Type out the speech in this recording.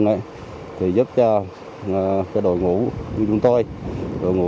giúp cho đội ngũ